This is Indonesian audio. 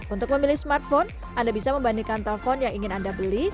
untuk memilih smartphone anda bisa membandingkan telpon yang ingin anda beli